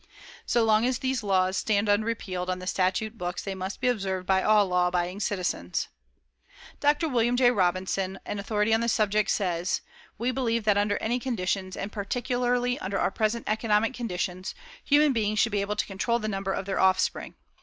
So long as these laws stand unrepealed on the statute books, they must be observed by all law abiding citizens. Dr. Wm. J. Robinson, an authority on the subject, says: "We believe that under any conditions, and particularly under our present economic conditions, human beings should be able to control the number of their offspring.